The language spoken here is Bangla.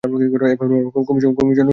এ ব্যাপারেও কমিশন নীরব থাকতে পারে না।